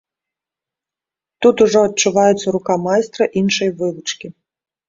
Тут ужо адчуваецца рука майстра іншай вывучкі.